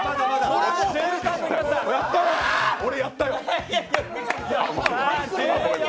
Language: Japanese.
俺やったよ！